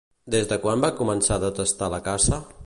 Des de quan va començar a detestar la caça?